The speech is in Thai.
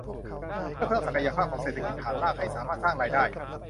เพื่อเพิ่มศักยภาพของเศรษฐกิจฐานรากให้สามารถสร้างรายได้